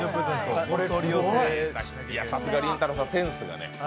いや、さすがりんたろーさん、センスがね。